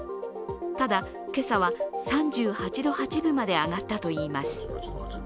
ただ、今朝は３８度８分まで上がったといいます。